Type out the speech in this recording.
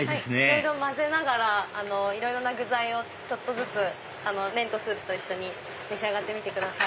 混ぜながらいろいろな具材をちょっとずつ麺とスープと一緒に召し上がってみてください。